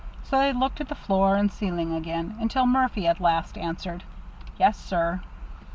So they looked at the floor and ceiling again, until Murphy at last answered: "Yes, sir."